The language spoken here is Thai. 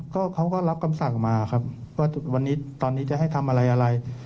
ก็เขาก็รับคำสั่งมาครับว่าวันนี้ตอนนี้จะให้ทำอะไรอะไร